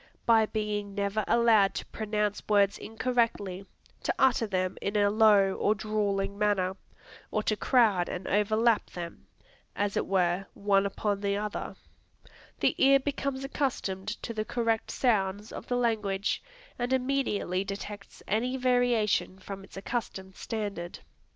By being never allowed to pronounce words incorrectly, to utter them in a low or drawling manner, or to crowd and overlap them, as it were, one upon the other, the ear becomes accustomed to the correct sounds of the language, and immediately detects any variation from its accustomed standard.